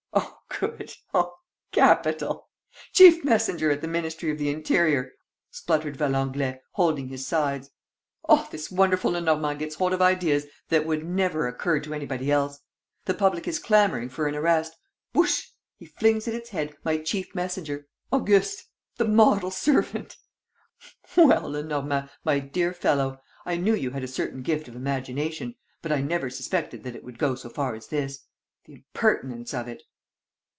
"Oh, good! ... Oh, capital! ... Chief messenger at the Ministry of the Interior!" spluttered Valenglay, holding his sides. "Oh, this wonderful Lenormand gets hold of ideas that would never occur to anybody else! The public is clamoring for an arrest. ... Whoosh, he flings at its head my chief messenger ... Auguste ... the model servant! Well, Lenormand, my dear fellow, I knew you had a certain gift of imagination, but I never suspected that it would go so far as this! The impertinence of it!"